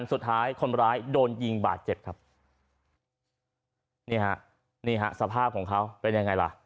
สุดท้ายคนร้ายโดนยิงบาดเจ็บครับนี่ฮะนี่ฮะสภาพของเขาเป็นยังไงล่ะ